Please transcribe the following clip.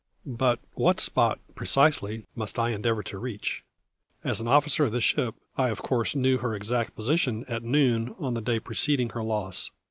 But what spot, precisely, must I endeavour to reach? As an officer of the ship I of course knew her exact position at noon on the day preceding her loss.